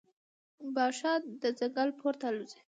باښه د ځنګل پورته الوزي.